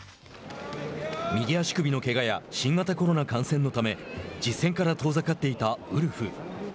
右足首のけがや新型コロナ感染のため実戦から遠ざかっていたウルフ。